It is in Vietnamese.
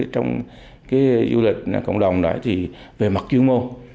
trong cái du lịch cộng đồng đó thì về mặt chuyên môn